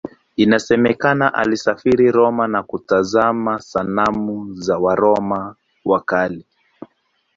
Inasemekana alisafiri Roma na kutazama sanamu za Waroma wa Kale.